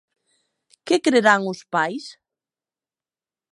Que creran os pais?